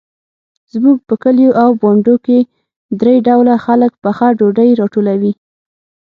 زموږ په کلیو او بانډو کې درې ډوله خلک پخه ډوډۍ راټولوي.